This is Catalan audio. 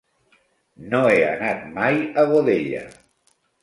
No he anat mai a Godella.